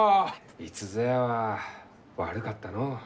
いつぞやは悪かったのう。